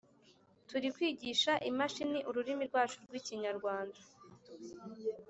Turikwigisha imashini ururimi rwacu rwikinyarwanda